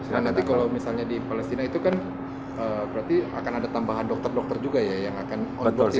nah nanti kalau misalnya di palestina itu kan berarti akan ada tambahan dokter dokter juga ya yang akan otopsi